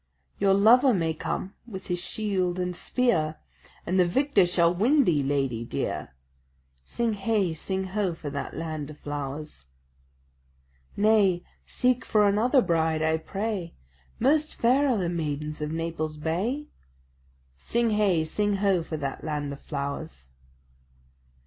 "Your lover may come with his shield and spear, And the victor shall win thee, lady dear!" Sing heigh, sing ho, for that land of flowers! "Nay, seek for another bride, I pray; Most fair are the maidens of Naples Bay." Sing heigh, sing ho, for that land of flowers!